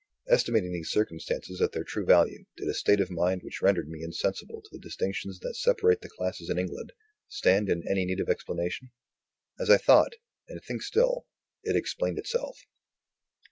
Estimating these circumstances at their true value, did a state of mind which rendered me insensible to the distinctions that separate the classes in England, stand in any need of explanation? As I thought and think still it explained itself.